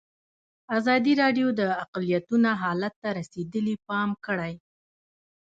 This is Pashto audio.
ازادي راډیو د اقلیتونه حالت ته رسېدلي پام کړی.